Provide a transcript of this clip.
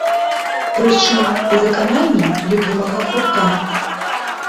Пры чым у выкананні любімага гурта!